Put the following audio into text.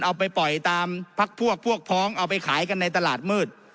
เอาไปปล่อยตามพักพวกพวกพ้องเอาไปขายกันในตลาดมืด